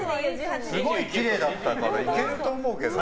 すごいきれいだったからいけると思うけど。